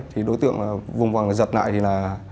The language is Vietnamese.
thì đối tượng vùng vòng giật lại thì là